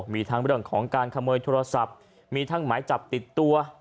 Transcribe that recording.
มีทั้งเรื่องของการขโมยโทรศัพท์มีทั้งหมายจับติดตัว